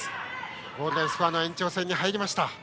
ゴールデンスコアの延長戦に入りました。